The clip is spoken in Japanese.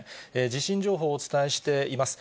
地震情報をお伝えしています。